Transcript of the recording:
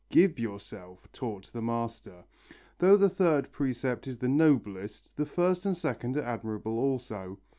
"Give yourself," taught the Master. Though the third precept is the noblest, the first and second are admirable also.